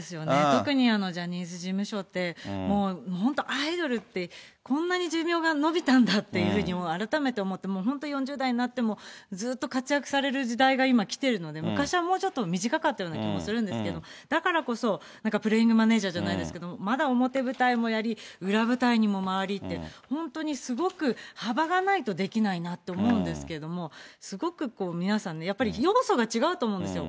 特にジャニーズ事務所って、もう、本当、アイドルってこんなに寿命が延びたんだっていうふうに改めて思って、本当に４０代になっても、ずっと活躍される時代が今来てるので、昔はもうちょっと短かったような気もするんですけど、だからこそ、プレイングマネージャーじゃないですけど、まだ表舞台もやり、裏舞台にも回りって、本当にすごく幅がないとできないなと思うんですけども、すごく皆さんね、やっぱり要素が違うと思うんですよ。